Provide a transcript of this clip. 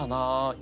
今。